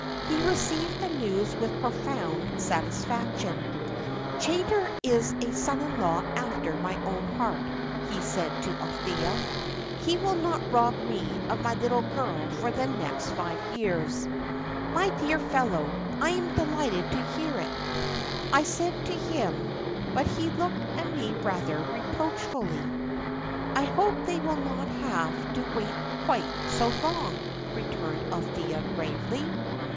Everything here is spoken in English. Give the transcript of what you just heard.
He received the news with profound satisfaction. "Chaytor is a son in law after my own heart," he said to Althea. "He will not rob me of my little girl for the next five years. 'My dear fellow, I am delighted to hear it,' I said to him; but he looked at me rather reproachfully." "I hope they will not have to wait quite so long," returned Althea, gravely.